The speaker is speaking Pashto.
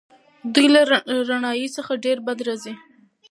دوی له رڼایي څخه ډېر بد راځي.